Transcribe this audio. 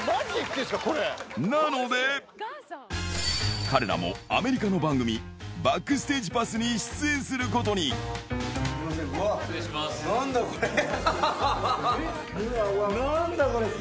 なので、彼らもアメリカの番組、バックステージパスに出演するこ失礼します。